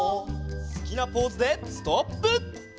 「好きなポーズでストップ！」